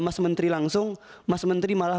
mas menteri langsung mas menteri malah